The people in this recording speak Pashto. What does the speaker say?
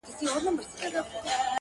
د ښاغلي خوشال روهي د هڅو